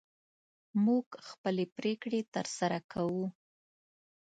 موږ خپلې پرېکړې تر سره کوو.